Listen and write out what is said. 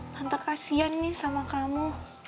pantas kasian nih sama kamu